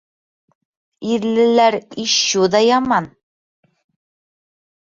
Ирлеләр ишшу ҙа яман.